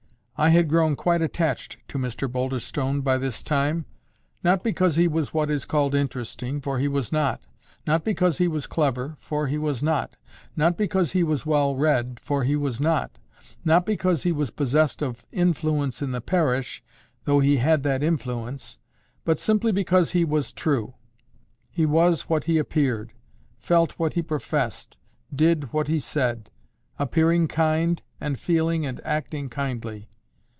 I had grown quite attached to Mr Boulderstone by this time, not because he was what is called interesting, for he was not; not because he was clever, for he was not; not because he was well read, for he was not; not because he was possessed of influence in the parish, though he had that influence; but simply because he was true; he was what he appeared, felt what he professed, did what he said; appearing kind, and feeling and acting kindly.